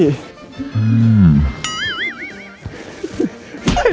อื้อหือ